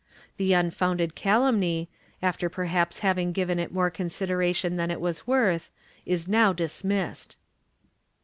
The unfounded calumny, after perhaps having given it more consideration than it was worth, is now dismissed.